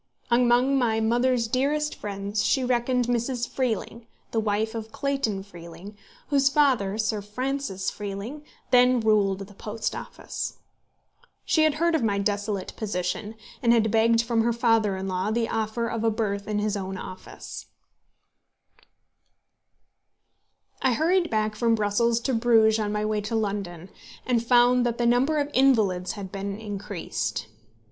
Among my mother's dearest friends she reckoned Mrs. Freeling, the wife of Clayton Freeling, whose father, Sir Francis Freeling, then ruled the Post Office. She had heard of my desolate position, and had begged from her father in law the offer of a berth in his own office. [Footnote 3: He died two years after these words were written.] I hurried back from Brussels to Bruges on my way to London, and found that the number of invalids had been increased.